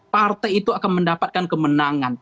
partai itu akan mendapatkan kemenangan